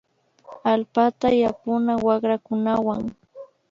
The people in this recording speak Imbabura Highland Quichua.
Allpata yapuna wakrakunawan